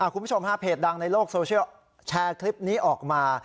คุณผู้ชมฮะเพจดังในโลกโซเชียลแชร์คลิปนี้ออกมา